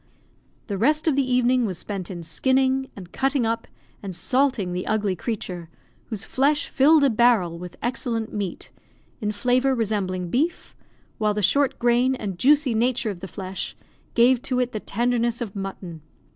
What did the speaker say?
The rest of the evening was spent in skinning, and cutting up, and salting the ugly creature, whose flesh filled a barrel with excellent meat, in flavour resembling beef, while the short grain and juicy nature of the flesh gave to it the tenderness of mutton.